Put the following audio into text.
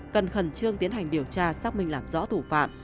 cần khẩn trương tiến hành điều tra xác minh làm rõ thủ phạm